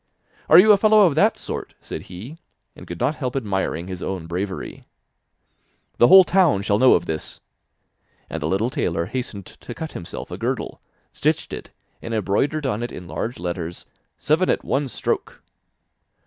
'Are you a fellow of that sort?' said he, and could not help admiring his own bravery. 'The whole town shall know of this!' And the little tailor hastened to cut himself a girdle, stitched it, and embroidered on it in large letters: 'Seven at one stroke!